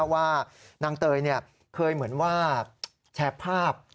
ว่านางเตยเคยเหมือนว่าแชร์ภาพ